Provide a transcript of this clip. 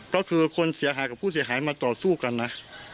ก็คือคนเสียหายกับผู้เสียหายมาต่อสู้กันนะ